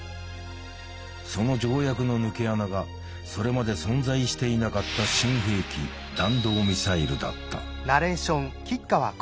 その条約の抜け穴がそれまで存在していなかった新兵器弾道ミサイルだった。